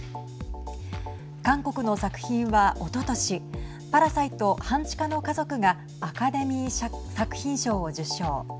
韓国の作品は、おととしパラサイト半地下の家族がアカデミー作品賞を受賞。